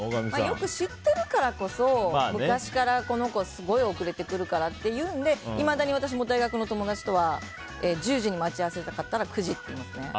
よく知ってるからこそ昔から、この子すごい遅れてくるからっていうのでいまだに私も大学の友達とは１０時に待ち合せたかったら９時って言ってますね。